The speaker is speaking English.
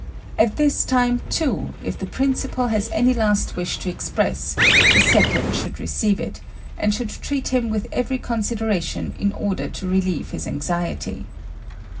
At this time, too, if the principal has any last wish to express, the second should receive it, and should treat him with every consideration in order to relieve his anxiety.